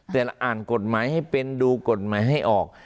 แต่อ่านกฎหมายให้เป็นดูกฎหมายให้ออก